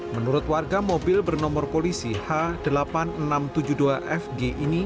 menurut warga mobil bernomor polisi h delapan ribu enam ratus tujuh puluh dua fg ini